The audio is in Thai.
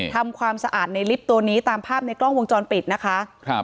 ทำความสะอาดในลิฟต์ตัวนี้ตามภาพในกล้องวงจรปิดนะคะ